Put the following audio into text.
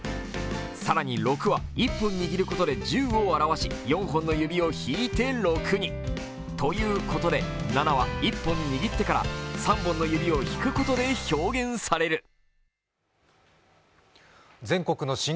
さらに６は１本握ることで１０を表し４本の指を引いて６に。ということで、７は１本握ってから３本の指を引くことで表現される。